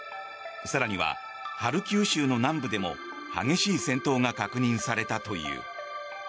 更には、ハルキウ州の南部でも激しい戦闘が確認されたという。